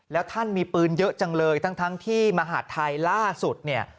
แล้วท่านมีปืนเยอะจังเลยทั้งที่มหาดไทยล่าสุดเนี่ย